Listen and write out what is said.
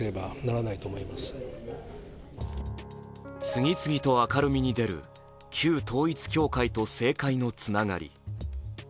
次々と明るみに出る旧統一教会と政界のつながり。